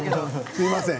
すみません